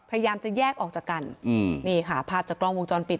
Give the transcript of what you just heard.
พยายามจะแยกออกจากกันอืมนี่ค่ะภาพจากกล้องวงจรปิด